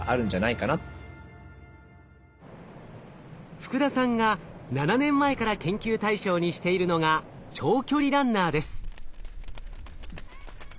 福田さんが７年前から研究対象にしているのが長距離ランナーです。